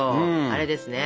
あれですね。